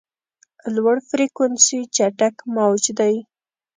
لوړ فریکونسي چټک موج دی.